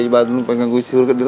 jangan lupa yang gue suruh ke di laut